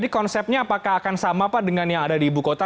konsepnya apakah akan sama pak dengan yang ada di ibu kota